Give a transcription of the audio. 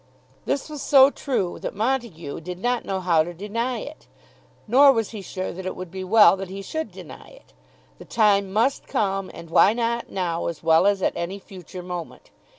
This was so true that Montague did not know how to deny it. Nor was he sure that it would be well that he should deny it. The time must come, and why not now as well as at any future moment?